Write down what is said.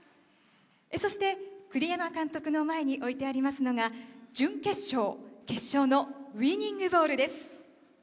そして、栗山監督の前に置いてありますのが準決勝、決勝のウイニングボールです。